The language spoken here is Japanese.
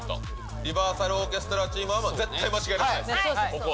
リバーサルオーケストラチームは絶対間違えれないですね、ここは。